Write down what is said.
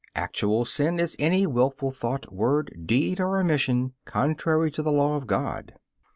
Actual sin is any wilful thought, word, deed, or omission contrary to the law of God.